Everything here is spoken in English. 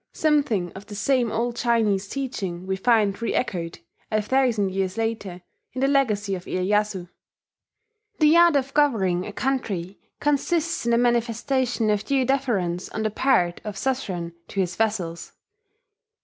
Something of the same old Chinese teaching we find reechoed, a thousand years later, in the Legacy of Iyeyasu: "The art of governing a country consists in the manifestation of due deference on the part of a suzerain to his vassals.